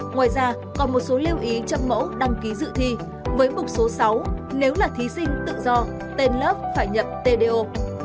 ngoài ra còn một số lưu ý trong mẫu đăng ký dự thi với mục số sáu nếu là thí sinh tự do tên lớp phải nhập tdor